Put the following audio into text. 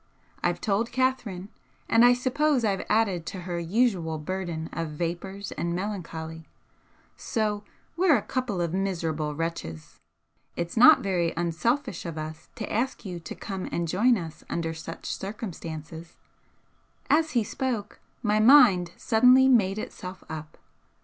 I've told Catherine, and I suppose I've added to her usual burden of vapours and melancholy so we're a couple of miserable wretches. It's not very unselfish of us to ask you to come and join us under such circumstances " As he spoke my mind suddenly made itself up.